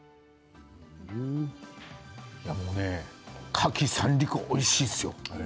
かき三陸おいしいですよ。